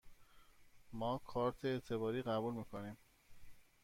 ما کارت اعتباری قبول می کنیم.